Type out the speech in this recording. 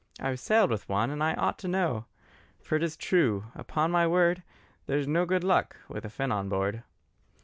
I've sailed with one and I ought to know: For it is true, upon my word, There's no good luck with a Finn on board.